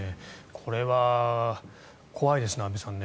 これは怖いですね、安部さん。